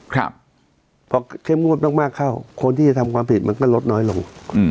พอเข้มงวดมากเข้าคนที่จะทำความผิดมันก็ลดน้อยลง